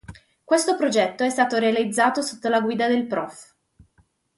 Questo progetto è stato realizzato sotto la guida del Prof.